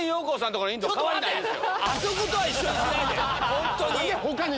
ホントに！